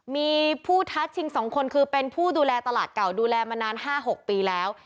มีผู้ทัดชิง๒คนคือเป็นผู้ดูแลตลาดเก่าดูแลมานาน๕๖ปีแล้ว